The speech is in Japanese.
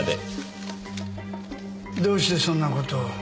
どうしてそんなことを？